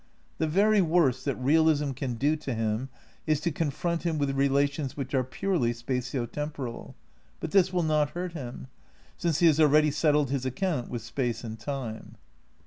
The very worst that realism can do to him is to confront him with relations which are purely spatio temporal; but this will not hurt him, since he has already settled his account with Space and Time.